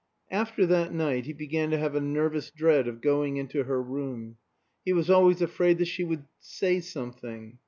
After that night he began to have a nervous dread of going into her room. He was always afraid that she would "say something."